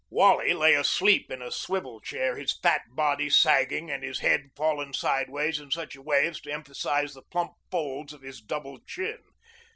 Wally lay asleep in a swivel chair, his fat body sagging and his head fallen sideways in such a way as to emphasize the plump folds of his double chin.